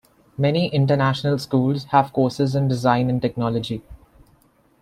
Many international schools have courses in design and technology.